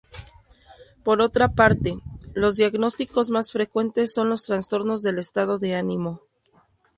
Por otra parte, los diagnósticos más frecuentes son los trastornos del estado de ánimo.